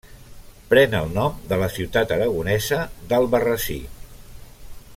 Pren el nom de la ciutat aragonesa d'Albarrasí.